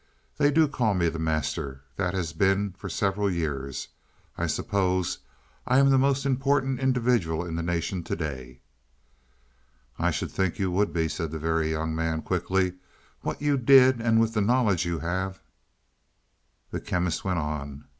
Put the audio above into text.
"They do call me the Master. That has been for several years. I suppose I am the most important individual in the nation to day." "I should think you would be," said the Very Young Man quickly. "What you did, and with the knowledge you have." The Chemist went on.